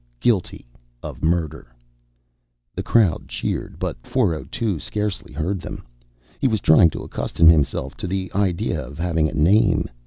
Guilty of murder." The crowd cheered, but 402 scarcely heard them. He was trying to accustom himself to the idea of having a name.